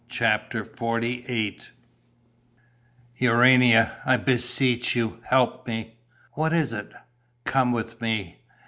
CHAPTER XLVIII "Urania, I beseech you, help me!" "What is it?" "Come with me...."